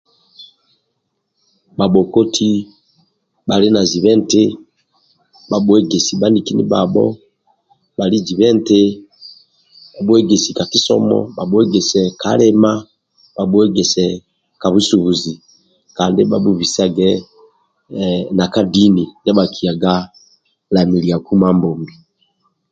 Bhabhokoti bhali na ziba eti bhabhuegesi bhaniki ndibhabho bhali ziba eti bhabhuegesi ka kisomo bhabhuegese ka lima bhabhuegese ka busubuzi kandi bhabhubisage ka dini kindia bhakiyaga ka lamiliaku Mambombi